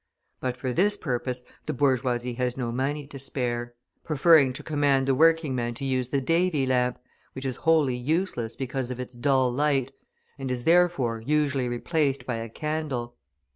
But for this purpose the bourgeoisie has no money to spare, preferring to command the working men to use the Davy lamp, which is wholly useless because of its dull light, and is, therefore, usually replaced by a candle.